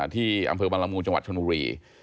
ที่อำเภอบังละมุงจังหวัดชนบุรี